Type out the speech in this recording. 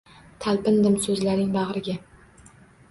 Talpindim so‘zlaring bag‘riga.